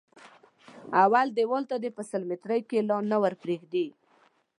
اول دېوال ته دې په سل ميتري کې لا نه ور پرېږدي.